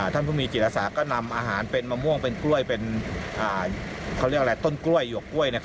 ท่านผู้มีจิตอาสาก็นำอาหารเป็นมะม่วงเป็นกล้วยเป็นเขาเรียกอะไรต้นกล้วยหยวกกล้วย